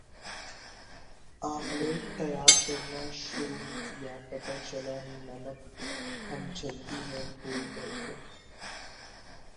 omelette تیار کرنا شروع کیا پتا چلا نمک ہم جلدی میں بھول گئےتھے